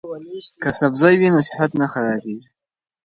که سبزی وي نو صحت نه خرابیږي.